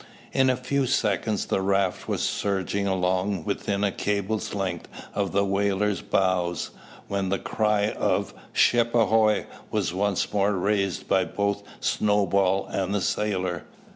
In a few seconds the raft was surging along within a cable's length of the whaler's bows, when the cry of "Ship ahoy!" was once more raised by both Snowball and the sailor.